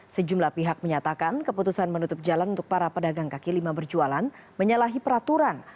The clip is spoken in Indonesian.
sejumlah pihak menyatakan keputusan menutup jalan untuk para pedagang kaki lima berjualan menyalahi peraturan